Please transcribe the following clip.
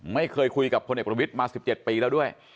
ไม่เคยคุยกับพลเอกประวิทย์มา๑๗ปีแล้วด้วย